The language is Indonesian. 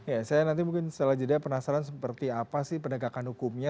ya saya nanti mungkin setelah jeda penasaran seperti apa sih penegakan hukumnya